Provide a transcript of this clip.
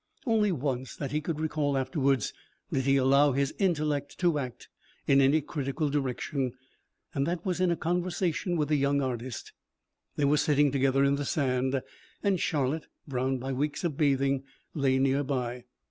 Only once that he could recall afterwards did he allow his intellect to act in any critical direction, and that was in a conversation with the young artist. They were sitting together in the sand, and Charlotte, browned by weeks of bathing, lay near by.